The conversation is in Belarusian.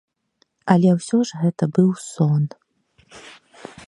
Але ўсё ж гэта быў сон.